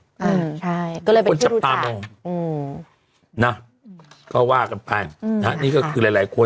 อืมใช่ก็เลยคนจับตามองอืมนะก็ว่ากันไปอืมนะฮะนี่ก็คือหลายหลายคน